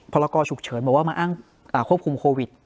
ละกอฉุกเฉินบอกว่ามาอ้างควบคุมโควิด